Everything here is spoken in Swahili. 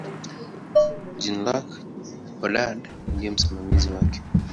Jean-Luc Godard ndiye msimamizi wake.